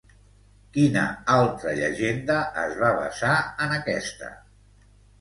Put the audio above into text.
Quina altra llegenda es va basar en aquesta?